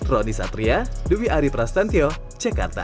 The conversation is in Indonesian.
rodi satria dewi ari prastantyo jakarta